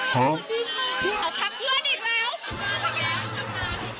พี่จะทักเพื่อนอีกแล้ว